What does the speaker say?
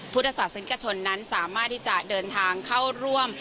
พุทธศาสนิกชนนั้นสามารถที่จะเดินทางเข้าร่วม